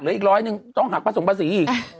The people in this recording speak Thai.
อีกร้อยหนึ่งต้องหักผสมภาษีอีก